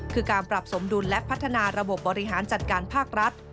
คือการปรับสมดุลและพัฒนาระบบบบริหารจัดการภาครัฐ